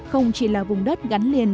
không chỉ là vùng đất gắn liền